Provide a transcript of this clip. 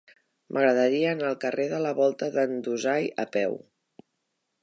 M'agradaria anar al carrer de la Volta d'en Dusai a peu.